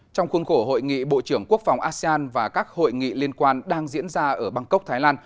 trong khuôn khổ hội nghị bộ trưởng quốc phòng asean và các hội nghị liên quan đang diễn ra ở bangkok thái lan